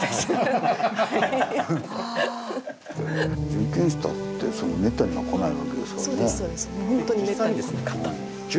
巡見使だってそんなめったには来ないわけですからね。